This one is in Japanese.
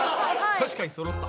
確かにそろった。